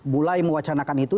mulai mewacanakan itu